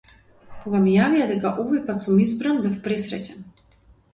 Кога ми јавија дека овој пат сум избран, бев пресреќен.